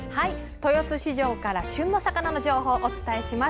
豊洲市場から旬の魚の情報をお伝えします。